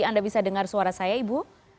anda bisa dengar suara saya ibu